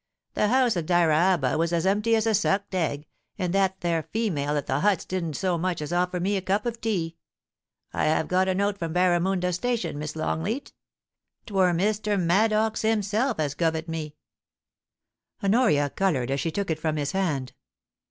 The house at Dyraaba was as empty as a sucked egg, and that there female at the huts didn't so much as offer me a cup of tea. I have got a note from Barramunda station, Miss Longleat Twur Mr. Maddox himself as guv it me.' Honoria coloured as she took it from his hand.